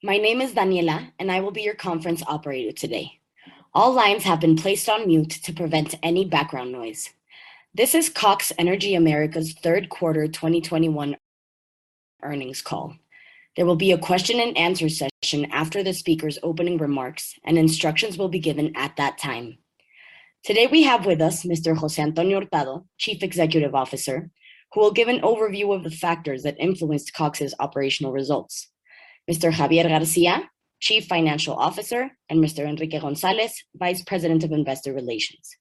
My name is Daniela, and I will be your conference operator today. All lines have been placed on mute to prevent any background noise. This is Cox Energy América's third quarter 2021 earnings call. There will be a question-and-answer session after the speaker's opening remarks, and instructions will be given at that time. Today, we have with us Mr. José Antonio Hurtado, Chief Executive Officer, who will give an overview of the factors that influenced Cox's operational results. Mr. Javier García, Chief Financial Officer, and Mr. Enrique González, Vice President of Investor Relations.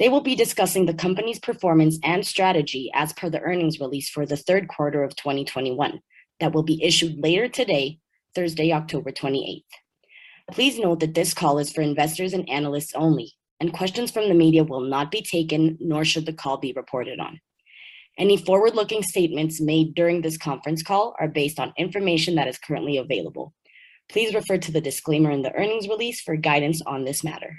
They will be discussing the company's performance and strategy as per the earnings release for the third quarter of 2021 that will be issued later today, Thursday, October 28th. Please note that this call is for investors and analysts only, and questions from the media will not be taken, nor should the call be reported on. Any forward-looking statements made during this conference call are based on information that is currently available. Please refer to the disclaimer in the earnings release for guidance on this matter.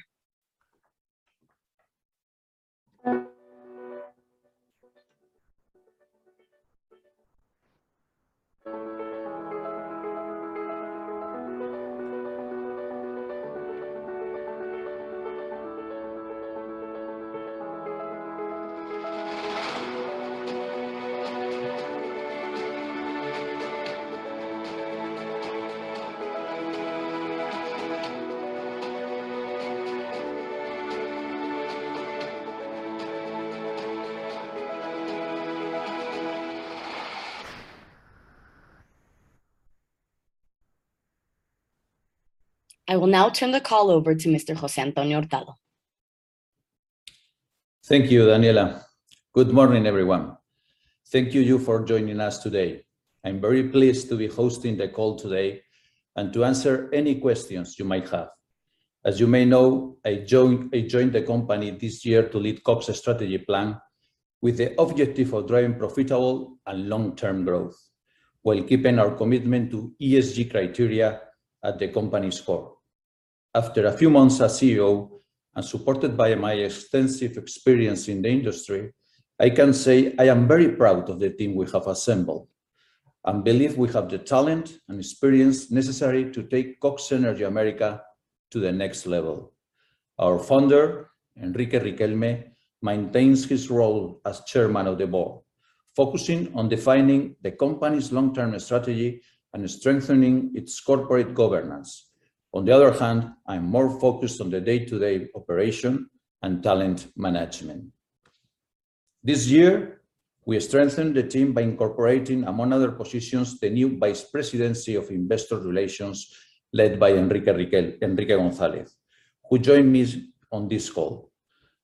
I will now turn the call over to Mr. José Antonio Hurtado. Thank you, Daniela. Good morning, everyone. Thank you for joining us today. I'm very pleased to be hosting the call today and to answer any questions you might have. As you may know, I joined the company this year to lead Cox's strategy plan with the objective of driving profitable and long-term growth while keeping our commitment to ESG criteria at the company's core. After a few months as CEO, and supported by my extensive experience in the industry, I can say I am very proud of the team we have assembled and believe we have the talent and experience necessary to take Cox Energy América to the next level. Our founder, Enrique Riquelme, maintains his role as Chairman of the Board, focusing on defining the company's long-term strategy and strengthening its corporate governance. On the other hand, I'm more focused on the day-to-day operation and talent management. This year, we strengthened the team by incorporating, among other positions, the new Vice Presidency of Investor Relations led by Enrique González, who joined me on this call.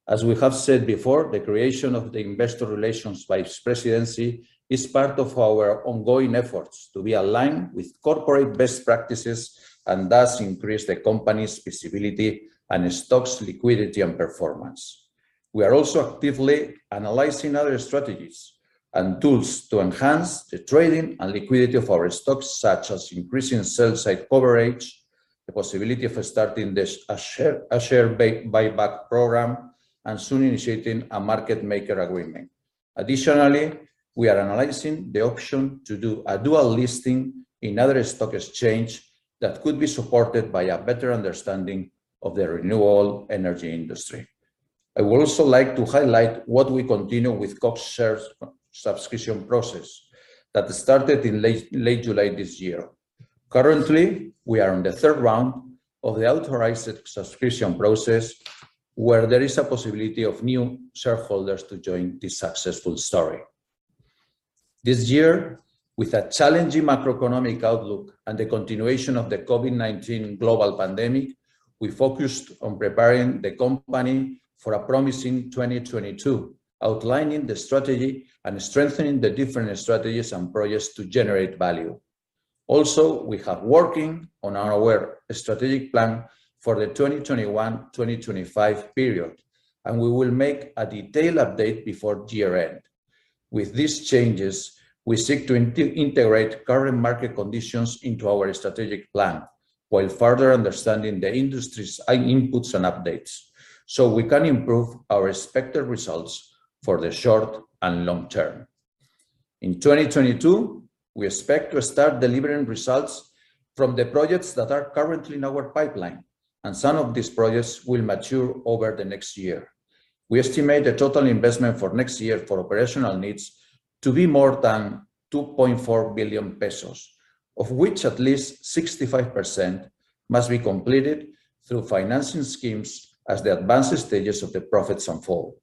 As we have said before, the creation of the Investor Relations Vice Presidency is part of our ongoing efforts to be aligned with corporate best practices and thus increase the company's visibility and stock's liquidity and performance. We are also actively analyzing other strategies and tools to enhance the trading and liquidity of our stocks, such as increasing sell side coverage, the possibility of starting a share buyback program, and soon initiating a market maker agreement. Additionally, we are analyzing the option to do a dual listing in other stock exchange that could be supported by a better understanding of the renewable energy industry. I would also like to highlight that we continue with Cox shares subscription process that started in late July this year. Currently, we are on the third round of the authorized subscription process, where there is a possibility of new shareholders to join this successful story. This year, with a challenging macroeconomic outlook and the continuation of the COVID-19 global pandemic, we focused on preparing the company for a promising 2022, outlining the strategy and strengthening the different strategies and projects to generate value. Also, we are working on our strategic plan for the 2021-2025 period, and we will make a detailed update before year-end. With these changes, we seek to integrate current market conditions into our strategic plan while further understanding the industry's inputs and updates, so we can improve our expected results for the short and long term. In 2022, we expect to start delivering results from the projects that are currently in our pipeline, and some of these projects will mature over the next year. We estimate the total investment for next year for operational needs to be more than 2.4 billion pesos, of which at least 65% must be completed through financing schemes as the advanced stages of the projects unfold.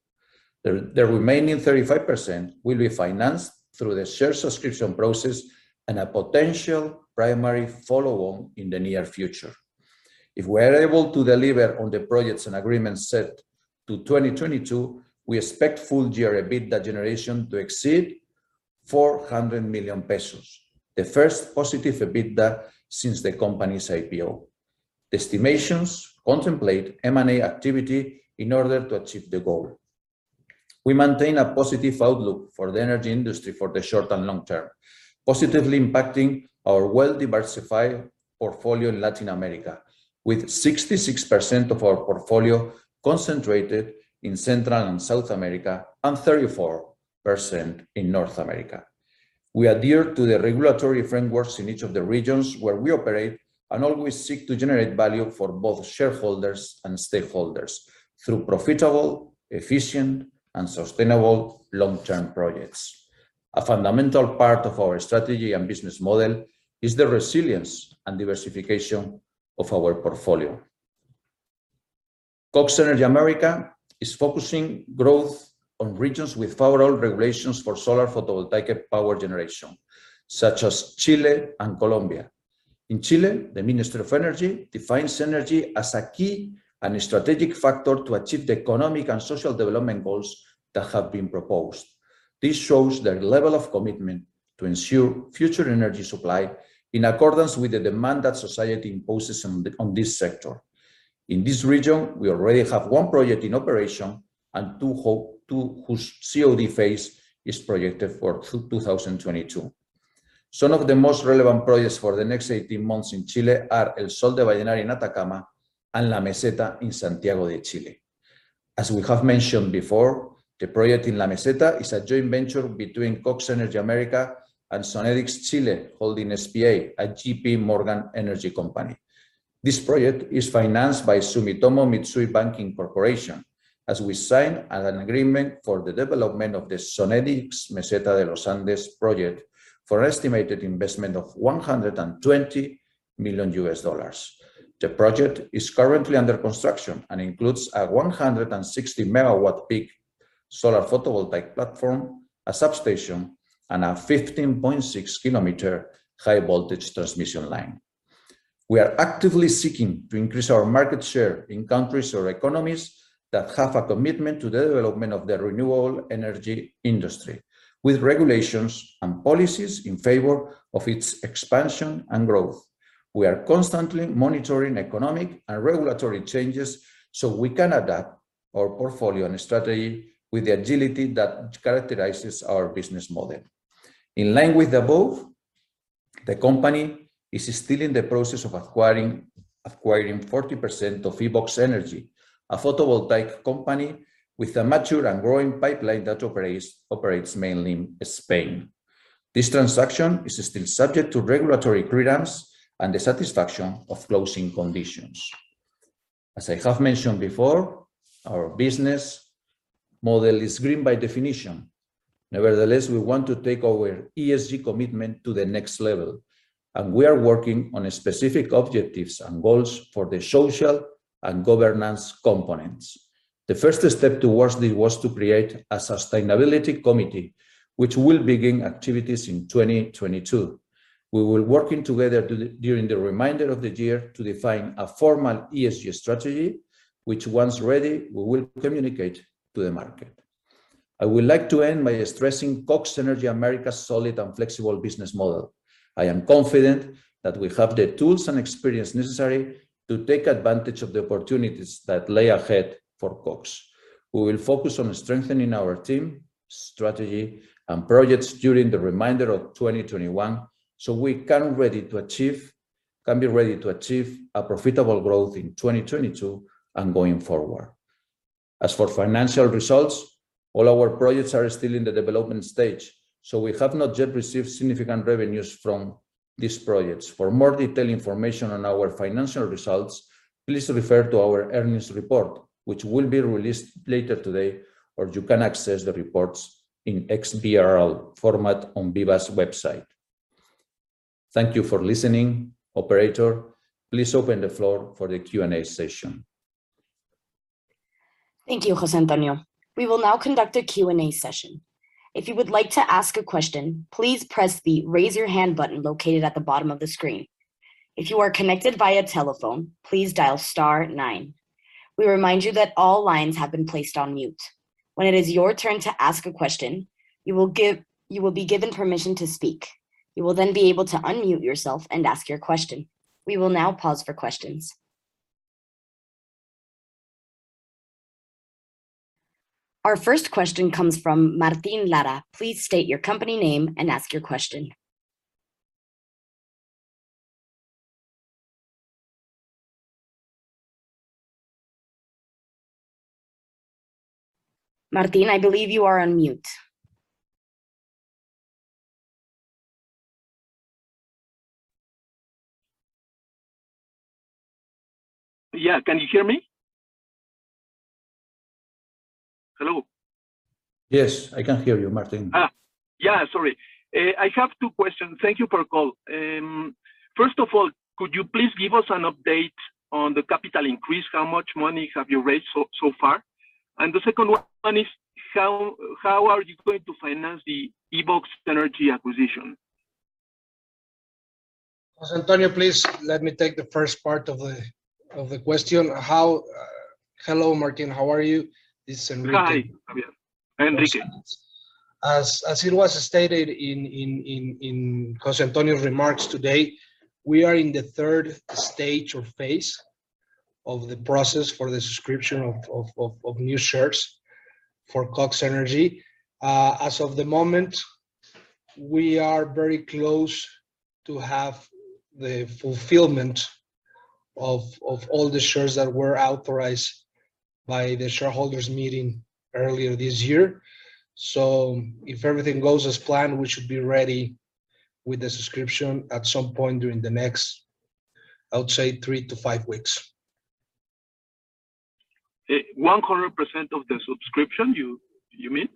The remaining 35% will be financed through the share subscription process and a potential primary follow-on in the near future. If we are able to deliver on the projects and agreements set to 2022, we expect full year EBITDA generation to exceed 400 million pesos, the first positive EBITDA since the company's IPO. The estimations contemplate M&A activity in order to achieve the goal. We maintain a positive outlook for the energy industry for the short and long term, positively impacting our well-diversified portfolio in Latin America, with 66% of our portfolio concentrated in Central and South America, and 34% in North America. We adhere to the regulatory frameworks in each of the regions where we operate and always seek to generate value for both shareholders and stakeholders through profitable, efficient, and sustainable long-term projects. A fundamental part of our strategy and business model is the resilience and diversification of our portfolio. Cox Energy América is focusing growth on regions with favorable regulations for solar photovoltaic power generation, such as Chile and Colombia. In Chile, the Minister of Energy defines energy as a key and a strategic factor to achieve the economic and social development goals that have been proposed. This shows their level of commitment to ensure future energy supply in accordance with the demand that society imposes on this sector. In this region, we already have one project in operation and two whose COD phase is projected for 2022. Some of the most relevant projects for the next 18 months in Chile are El Sol de Vallenar in Atacama and La Meseta in Santiago de Chile. As we have mentioned before, the project in La Meseta is a joint venture between Cox Energy América and Sonnedix Chile Holding SpA, a JPMorgan energy company. This project is financed by Sumitomo Mitsui Banking Corporation, as we sign an agreement for the development of the Sonnedix Meseta de Los Andes project for estimated investment of $120 million. The project is currently under construction and includes a 160 MW peak solar photovoltaic platform, a substation, and a 15.6 km high-voltage transmission line. We are actively seeking to increase our market share in countries or economies that have a commitment to the development of the renewable energy industry, with regulations and policies in favor of its expansion and growth. We are constantly monitoring economic and regulatory changes, so we can adapt our portfolio and strategy with the agility that characterizes our business model. In line with the above, the company is still in the process of acquiring 40% of Ibox Energy, a photovoltaic company with a mature and growing pipeline that operates mainly in Spain. This transaction is still subject to regulatory clearance and the satisfaction of closing conditions. As I have mentioned before, our business model is green by definition. Nevertheless, we want to take our ESG commitment to the next level, and we are working on specific objectives and goals for the social and governance components. The first step towards this was to create a sustainability committee, which will begin activities in 2022. We will be working together during the remainder of the year to define a formal ESG strategy, which once ready, we will communicate to the market. I would like to end by stressing Cox Energy América's solid and flexible business model. I am confident that we have the tools and experience necessary to take advantage of the opportunities that lie ahead for Cox. We will focus on strengthening our team, strategy, and projects during the remainder of 2021, so we can be ready to achieve a profitable growth in 2022 and going forward. As for financial results, all our projects are still in the development stage, so we have not yet received significant revenues from these projects. For more detailed information on our financial results, please refer to our earnings report, which will be released later today, or you can access the reports in XBRL format on BIVA's website. Thank you for listening. Operator, please open the floor for the Q&A session. Thank you, José Antonio. We will now conduct a Q&A session. If you would like to ask a question, please press the Raise Your Hand button located at the bottom of the screen. If you are connected via telephone, please dial star nine. We remind you that all lines have been placed on mute. When it is your turn to ask a question, you will be given permission to speak. You will then be able to unmute yourself and ask your question. We will now pause for questions. Our first question comes from Martin Lara. Please state your company name and ask your question. Martin, I believe you are on mute. Yeah, can you hear me? Hello? Yes, I can hear you, Martin. Yeah, sorry. I have two questions. Thank you for the call. First of all, could you please give us an update on the capital increase? How much money have you raised so far? The second one is, how are you going to finance the Ibox Energy acquisition? José Antonio, please let me take the first part of the question. Hello, Martin, how are you? This is Enrique. Hi. Yeah. Enrique. As it was stated in José Antonio's remarks today, we are in the third stage or phase of the process for the subscription of new shares for Cox Energy. As of the moment, we are very close to have the fulfillment of all the shares that were authorized by the shareholders meeting earlier this year. If everything goes as planned, we should be ready with the subscription at some point during the next, I would say, three-five weeks. 100% of the subscription, you mean?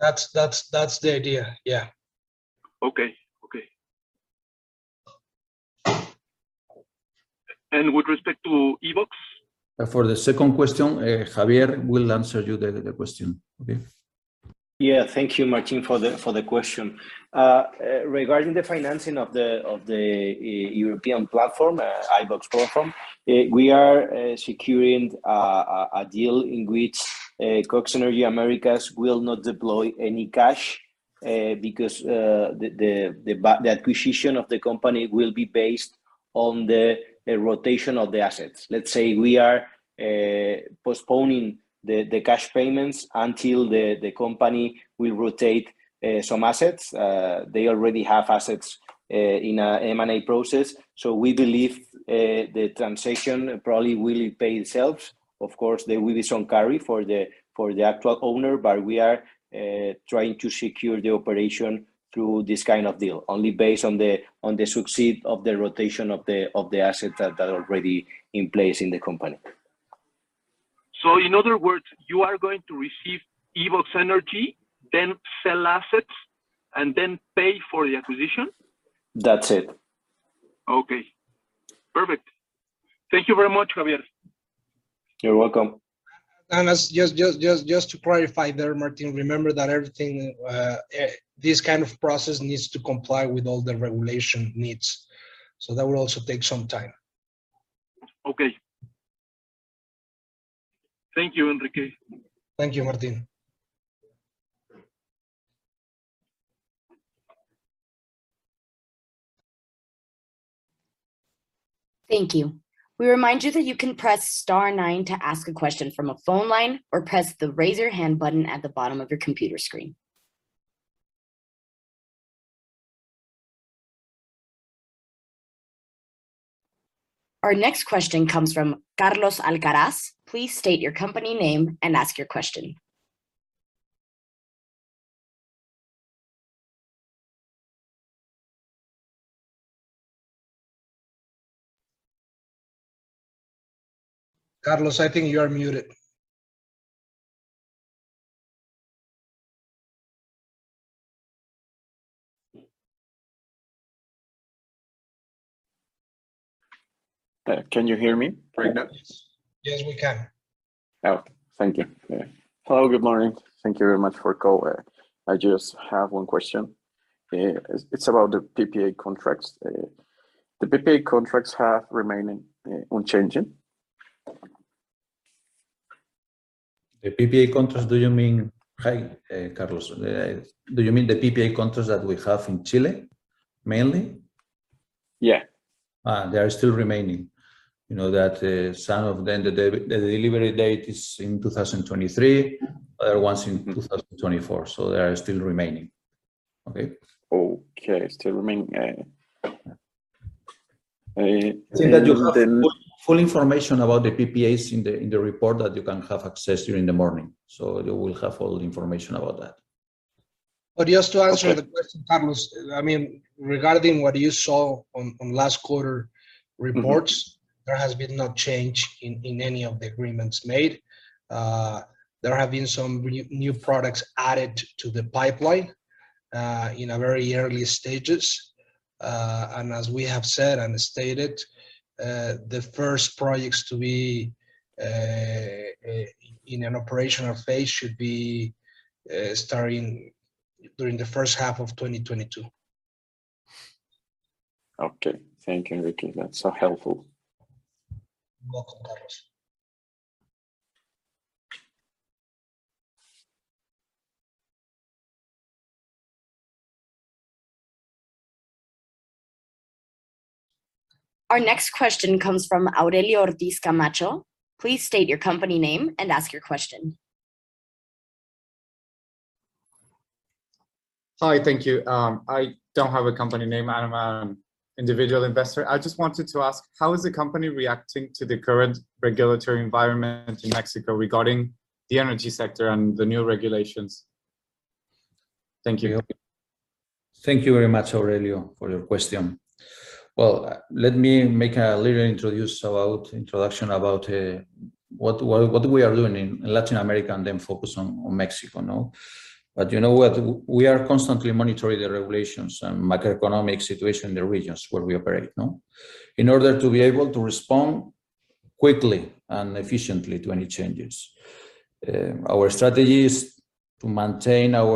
That's the idea. Yeah. Okay. With respect to Ibox? For the second question, Javier will answer you the question. Okay? Yeah. Thank you, Martin, for the question. Regarding the financing of the European platform, Ibox platform, we are securing a deal in which Cox Energy América will not deploy any cash because the acquisition of the company will be based on the rotation of the assets. Let's say we are postponing the cash payments until the company will rotate some assets. They already have assets in a M&A process. We believe the transaction probably will pay itself. Of course, there will be some carry for the actual owner, but we are trying to secure the operation through this kind of deal, only based on the success of the assets that are already in place in the company. In other words, you are going to receive Ibox Energy, then sell assets, and then pay for the acquisition? That's it. Okay. Perfect. Thank you very much, Javier. You're welcome. Just to clarify there, Martin, remember that everything, this kind of process needs to comply with all the regulatory needs, so that will also take some time. Okay. Thank you, Enrique. Thank you, Martin. Thank you. We remind you that you can press star nine to ask a question from a phone line, or press the Raise Your Hand button at the bottom of your computer screen. Our next question comes from Carlos Alcaraz. Please state your company name and ask your question. Carlos, I think you are muted. Can you hear me right now? Yes, we can. Okay. Thank you. Hello, good morning. Thank you very much for the call. I just have one question. It's about the PPA contracts. The PPA contracts have remaining, unchanging? The PPA contracts, do you mean? Hi, Carlos. Do you mean the PPA contracts that we have in Chile mainly? Yeah. They are still remaining. You know that, some of them, the delivery date is in 2023. Other ones in 2024, so they are still remaining. Okay? Okay. Still remaining. I think that you have full information about the PPAs in the report that you can have access during the morning, so you will have all the information about that. Just to answer the question, Carlos, I mean, regarding what you saw on last quarter reports. Mm-hmm. There has been no change in any of the agreements made. There have been some renewable products added to the pipeline in the very early stages. As we have said and stated, the first projects to be in an operational phase should be starting during the first half of 2022. Okay. Thank you, Enrique. That's helpful. You're welcome, Carlos. Our next question comes from Aurelio Ortiz Camacho. Please state your company name and ask your question. Hi. Thank you. I don't have a company name. I'm an individual investor. I just wanted to ask, how is the company reacting to the current regulatory environment in Mexico regarding the energy sector and the new regulations? Thank you. Thank you very much, Aurelio, for your question. Well, let me make a little introduction about what we are doing in Latin America, and then focus on Mexico now. You know what? We are constantly monitoring the regulations and macroeconomic situation in the regions where we operate now, in order to be able to respond quickly and efficiently to any changes. Our strategy is to maintain a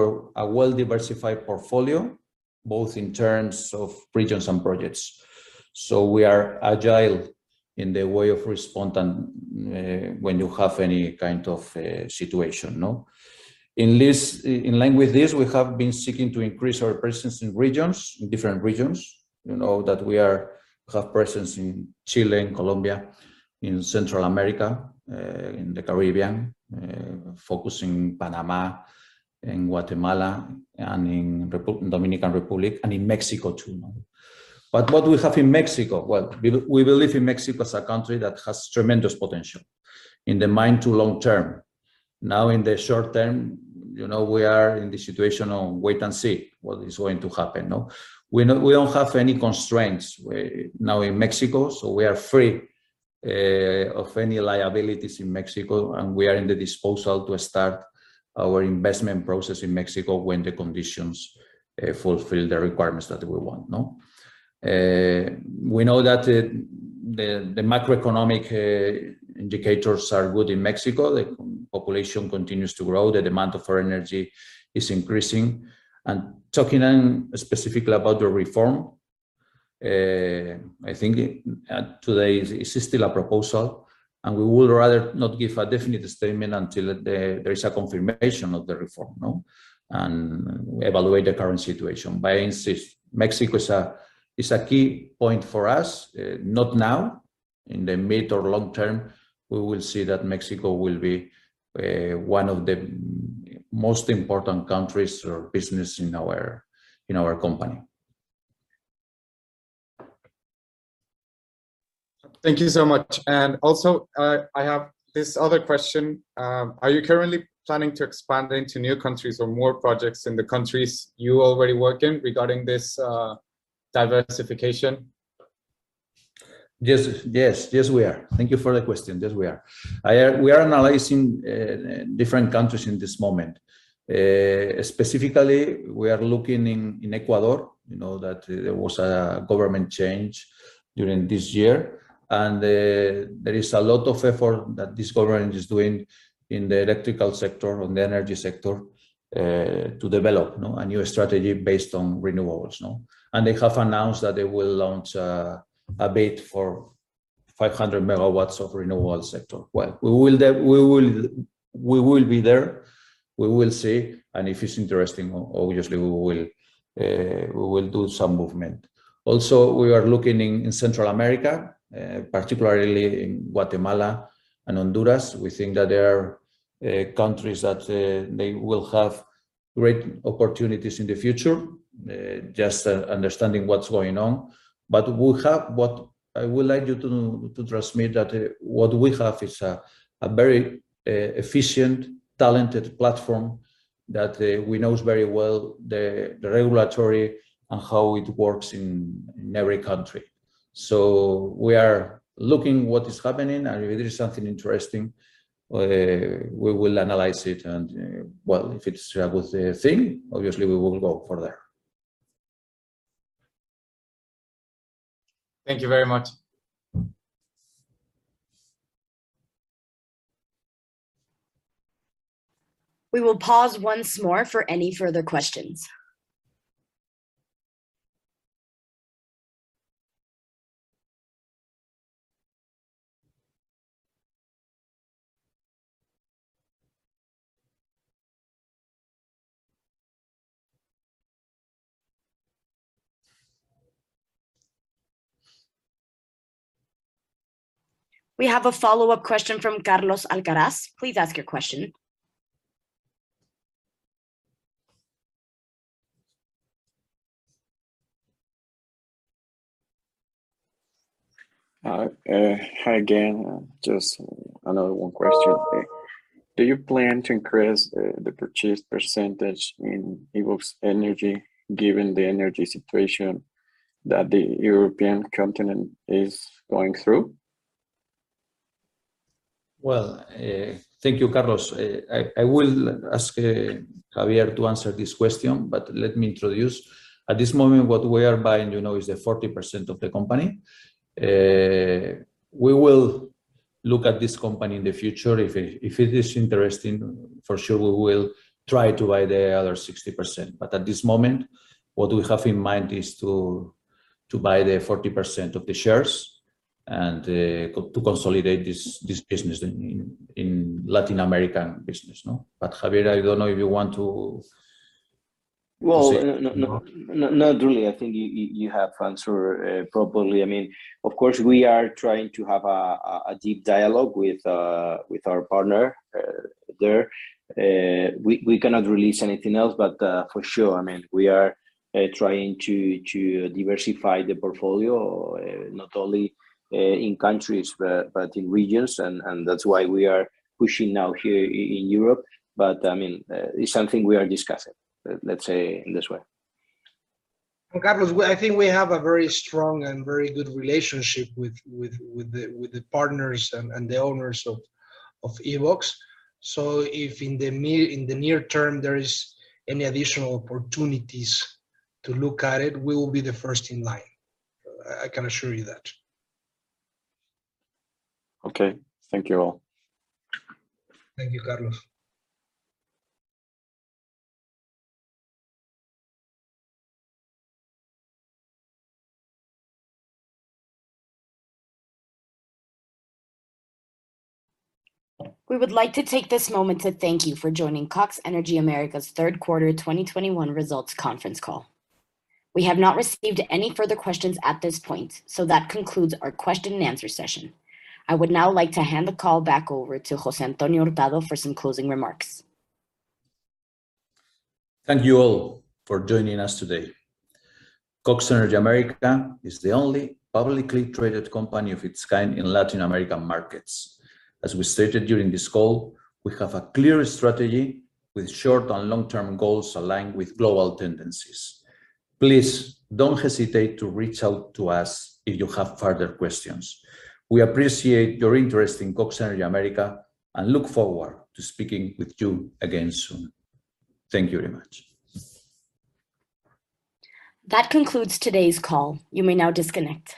well-diversified portfolio, both in terms of regions and projects. We are agile in the way of respond and, when you have any kind of a situation, no? In line with this, we have been seeking to increase our presence in different regions. You know that we have presence in Chile, in Colombia, in Central America, in the Caribbean, focusing on Panama and Guatemala and in the Dominican Republic and in Mexico too. What do we have in Mexico? Well, we believe in Mexico as a country that has tremendous potential in the mid to long term. Now, in the short term, you know, we are in the situation of wait and see what is going to happen, no? We don't have any constraints now in Mexico, so we are free of any liabilities in Mexico, and we are at the disposal to start our investment process in Mexico when the conditions fulfill the requirements that we want, no? We know that the macroeconomic indicators are good in Mexico. The population continues to grow, the demand for energy is increasing. Talking then specifically about the reform, I think, today is still a proposal, and we would rather not give a definite statement until there is a confirmation of the reform, no? Evaluate the current situation. For instance, Mexico is a key point for us. Not now. In the mid or long term, we will see that Mexico will be one of the most important countries or business in our company. Thank you so much. I have this other question. Are you currently planning to expand into new countries or more projects in the countries you already work in regarding this, diversification? Yes, we are. Thank you for the question. We are analyzing different countries in this moment. Specifically, we are looking in Ecuador, you know, that there was a government change during this year. There is a lot of effort that this government is doing in the electrical sector, on the energy sector, to develop a new strategy based on renewables. They have announced that they will launch a bid for 500 MW of renewable sector. Well, we will be there. We will see, and if it's interesting, obviously, we will do some movement. Also, we are looking in Central America, particularly in Guatemala and Honduras. We think that they are countries that they will have great opportunities in the future, just understanding what's going on. What I would like you to transmit that what we have is a very efficient, talented platform that we knows very well the regulatory and how it works in every country. We are looking what is happening, and if there is something interesting, we will analyze it and well, if it's worth the thing, obviously, we will go further. Thank you very much. We will pause once more for any further questions. We have a follow-up question from Carlos Alcaraz. Please ask your question. Hi again. Just another one question. Do you plan to increase the purchase percentage in Ibox Energy, given the energy situation that the European continent is going through? Well, thank you, Carlos. I will ask Javier to answer this question but let me introduce. At this moment, what we are buying, you know, is the 40% of the company. We will look at this company in the future. If it is interesting, for sure, we will try to buy the other 60%. But at this moment, what we have in mind is to buy the 40% of the shares and to consolidate this business in Latin American business, no? But Javier, I don't know if you want to proceed, no? Well, no, not really. I think you have answered properly. I mean, of course, we are trying to have a deep dialogue with our partner there. We cannot release anything else, but for sure, I mean, we are trying to diversify the portfolio not only in countries but in regions. That's why we are pushing now here in Europe. I mean, it's something we are discussing, let's say in this way. Carlos, I think we have a very strong and very good relationship with the partners and the owners of Ibox. So, if in the near term there is any additional opportunities to look at it, we will be the first in line. I can assure you that. Okay. Thank you all. Thank you, Carlos. We would like to take this moment to thank you for joining Cox Energy América's third quarter 2021 results conference call. We have not received any further questions at this point, so that concludes our question-and-answer session. I would now like to hand the call back over to José Antonio Hurtado for some closing remarks. Thank you all for joining us today. Cox Energy América is the only publicly traded company of its kind in Latin American markets. As we stated during this call, we have a clear strategy with short and long-term goals aligned with global tendencies. Please don't hesitate to reach out to us if you have further questions. We appreciate your interest in Cox Energy América and look forward to speaking with you again soon. Thank you very much. That concludes today's call. You may now disconnect.